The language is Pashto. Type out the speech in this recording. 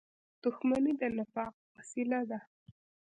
• دښمني د نفاق وسیله ده.